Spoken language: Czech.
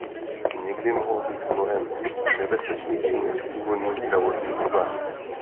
Někdy mohou být mnohem nebezpečnější než původní zdravotní problém.